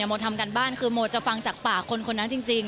โมทำการบ้านคือโมจะฟังจากปากคนคนนั้นจริง